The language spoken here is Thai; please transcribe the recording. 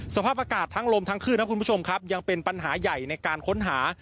สภาพอากาศทั้งลมทั้งขึ้นนะครับคุณผู้ชมครับยังเป็นปัญหาใหญ่ในการค้นหา